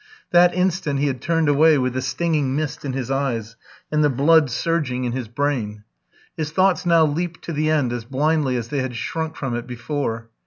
That instant he had turned away with a stinging mist in his eyes and the blood surging in his brain. His thoughts now leaped to the end as blindly as they had shrunk from it before.